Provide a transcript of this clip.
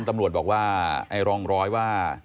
ที่บอกไปอีกเรื่อยเนี่ย